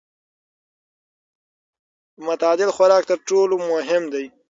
متعادل خوراک تر ټولو مهم دی.